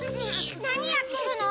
なにやってるの？